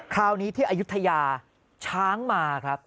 คราวนี้ที่อายุทยาช้างมาครับ